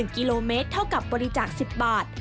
๑กิโลเมตรเท่ากับบริจาค๑๐บาท